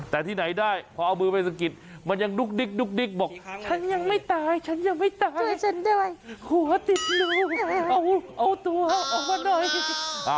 แต่ที่ไหนได้พอเอามือไปสะกิดมันยังดุ๊กดิ๊กบอก